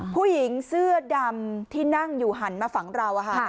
ผู้หญิงเสื้อดำที่นั่งอยู่หันมาฝังเรา